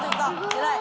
偉い。